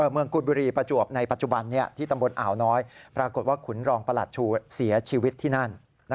กุฎบุรีประจวบในปัจจุบันที่ตำบลอ่าวน้อยปรากฏว่าขุนรองประหลัดชูเสียชีวิตที่นั่น